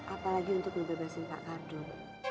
apalagi untuk ngebebasin pak kardun